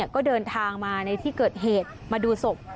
ก็เดินทางมาในที่เกิดเหตุมาดูศพ